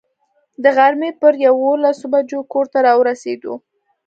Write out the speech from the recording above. د غرمې پر یوولسو بجو کور ته را ورسېدو.